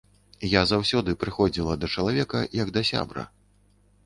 Я заўсёды прыходзіла да чалавека як да сябра.